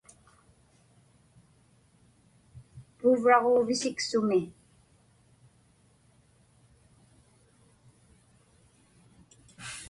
Puuvraġuuvisik sumi?